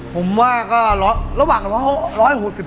ผมว่าก็ระหว่าง๑๖๕กับ๑๖๘